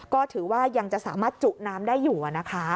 ก็ถือว่ายังจะสามารถจุน้ำได้อยู่นะคะ